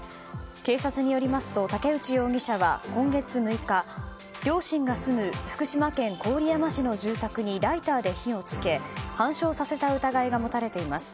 警察によりますと竹内容疑者は今月６日両親が住む福島県郡山市の住宅にライターで火をつけ半焼させた疑いが持たれています。